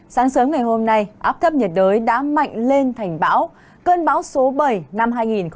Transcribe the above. sáng sớm ngày hôm nay áp thấp nhiệt đới đã mạnh lên thành bão cơn bão số bảy năm hai nghìn một mươi tám